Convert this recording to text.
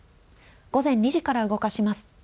午前２時から動かします。